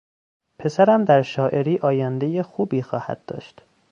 پسرم در شاعری آیندهی خوبی خواهد داشت.